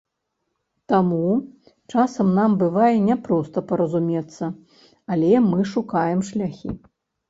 Таму часам нам бывае не проста паразумецца, але мы шукаем шляхі.